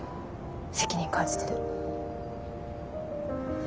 責任感じてる。